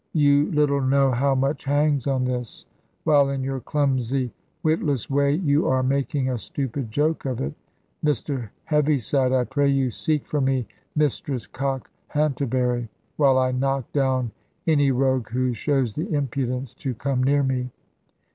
You little know how much hangs on this; while in your clumsy witless way, you are making a stupid joke of it. Mr Heaviside, I pray you, seek for me Mistress Cockhanterbury; while I knock down any rogue who shows the impudence to come near me."